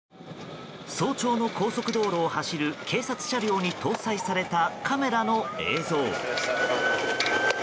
早朝の高速道路を走る警察車両に搭載されたカメラの映像。